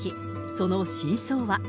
その真相は。